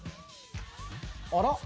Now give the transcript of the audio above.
あら？